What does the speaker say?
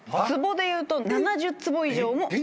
坪でいうと７０坪以上も。